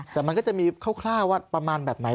แต่มันก็จะมีคร่าวว่าประมาณแบบไหน